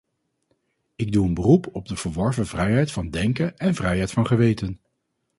Ik doe een beroep op de verworven vrijheid van denken en vrijheid van geweten.